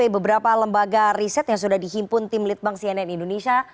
beberapa lembaga riset yang sudah dihimpun tim litbang cnn indonesia